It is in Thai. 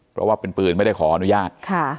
เพราะว่าเป็นปืนไม่ได้ขออนุญาต